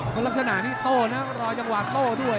ก็ลักษณะที่โต้นะรอจังหวังโต้ด้วย